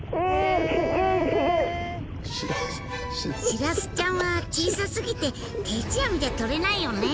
シラスちゃんは小さすぎて定置網じゃとれないよね。